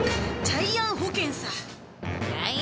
ジャイアン保険？